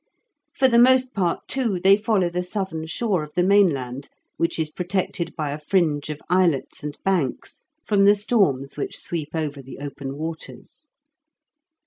For the most part, too, they follow the southern shore of the mainland, which is protected by a fringe of islets and banks from the storms which sweep over the open waters.